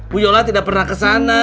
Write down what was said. bu aio ala tidak pernah kesana